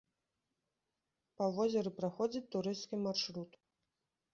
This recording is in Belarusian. Па возеры праходзіць турысцкі маршрут.